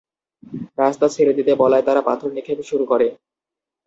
রাস্তা ছেড়ে দিতে বলায় তারা পাথর নিক্ষেপ শুরু করে।